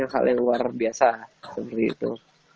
hal yang luar biasa seperti itu